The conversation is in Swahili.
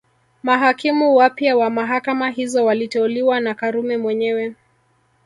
Mahakimu wapya wa mahakama hizo waliteuliwa na Karume mwenyewe